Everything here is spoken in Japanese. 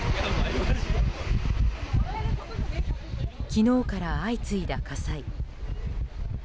昨日から相次いだ火災。